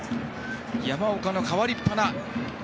山岡の代わりっぱな。